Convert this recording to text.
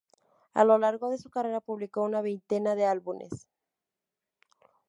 A lo largo de su carrera publicó una veintena de álbumes.